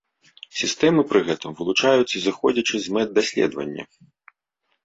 Сістэмы пры гэтым вылучаюцца зыходзячы з мэт даследавання.